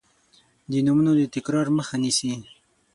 د نومونو د تکرار مخه نیسي.